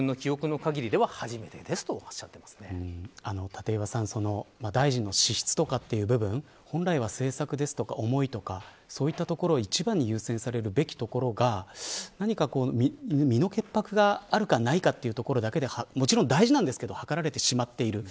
立岩さん大臣の資質とかという部分本来は政策や思いとかそういったところを一番に優先されるべきところが何か、身の潔白があるかないかというところだけでもちろん大事なんですけどはかられてしまっている。